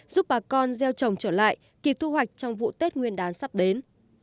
giúp bà con gieo trồng trở lại kịp thu hoạch trong vụ tết nguyên đán sắp đến